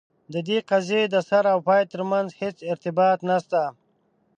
د دې قضیې د سر او پای ترمنځ هیڅ ارتباط نسته.